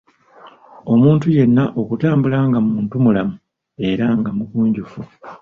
Omuntu yenna okutambula nga muntumulamu era nga mugunjufu.